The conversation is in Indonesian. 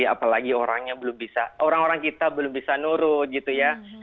apalagi orang orang kita belum bisa nurut gitu ya